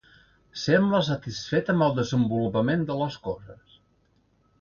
Sembla satisfet amb el desenvolupament de les coses.